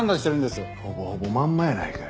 ほぼほぼまんまやないかい。